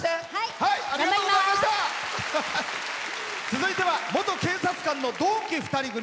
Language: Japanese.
続いては元警察官の同期２人組。